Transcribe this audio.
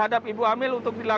dan durability nya